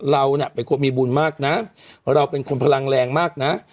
เราน่ะเป็นคนมีบุญมากนะเราเป็นคนพลังแรงมากนะ